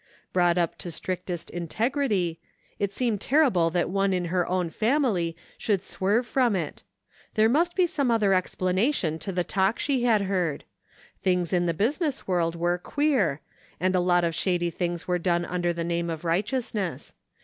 Brought up to strictest int^;rity, it seemed terrible that one in their own family should swerve from it; there must be some other explanation to the talk she had heard. Things ia the business world were queer, and a lot of shady things were done under the name of righteousness.